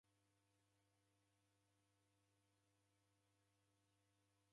Oko na w'uya gholongoza w'andu.